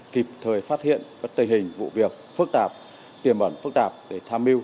kịp thời phát hiện các tình hình vụ việc phức tạp tiềm ẩn phức tạp để tham mưu